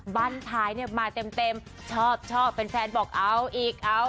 บ้านท้ายเนี่ยมาเต็มชอบชอบแฟนบอกเอาอีกเอา